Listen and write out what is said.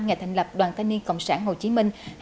ngày thành lập đoàn thanh niên cộng sản hồ chí minh